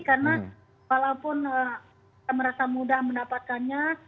karena walaupun merasa mudah mendapatkannya